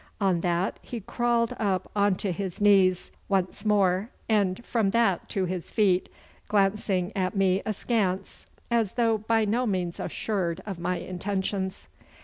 On that he crawled up on to his knees once more, and from that to his feet, glancing at me askance, as though by no means assured of my intentions.